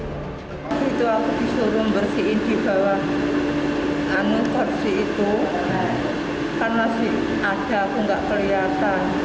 aku disuruh bersihin di bawah kursi itu karena masih ada aku nggak kelihatan